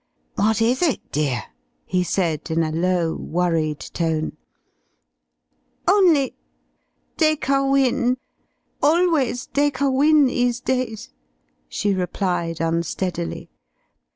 "What is it, dear?" he said in a low, worried tone. "Only Dacre Wynne. Always Dacre Wynne these days," she replied unsteadily.